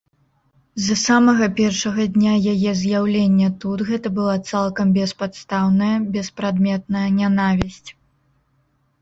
З самага першага дня яе з'яўлення тут гэта была цалкам беспадстаўная, беспрадметная нянавісць.